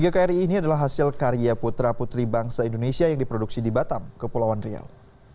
tiga kri ini adalah hasil karya putra putri bangsa indonesia yang diproduksi di batam kepulauan riau